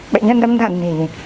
bệnh nhân tâm thần thì